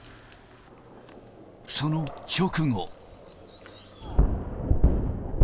その直後。